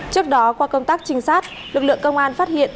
trước đó qua công tác trinh sát lực lượng công an phát hiện